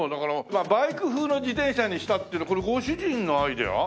まあバイク風の自転車にしたっていうのこれご主人のアイデア？